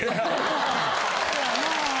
せやなぁ。